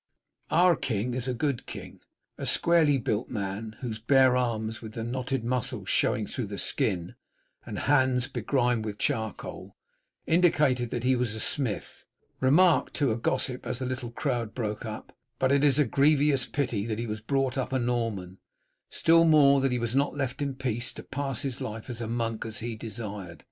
"Our king is a good king," a squarely built man, whose bare arms with the knotted muscles showing through the skin, and hands begrimed with charcoal, indicated that he was a smith, remarked to a gossip as the little crowd broke up, "but it is a grievous pity that he was brought up a Norman, still more that he was not left in peace to pass his life as a monk as he desired.